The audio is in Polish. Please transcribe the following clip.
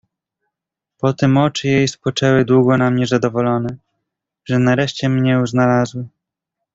"Potem oczy jej spoczęły długo na mnie zadowolone, że nareszcie mnię znalazły."